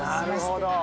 なるほど！